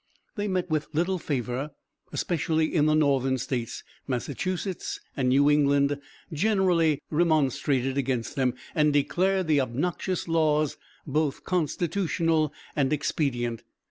They met with little favor, especially in the Northern States. Massachusetts and New England generally remonstrated against them, and declared the obnoxious laws both constitutional and expedient.